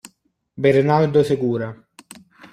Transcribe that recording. Bernardo Segura